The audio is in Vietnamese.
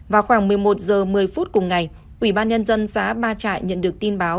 vào khoảng một mươi một h một mươi phút cùng ngày ủy ban nhân dân xã ba trại nhận được tin báo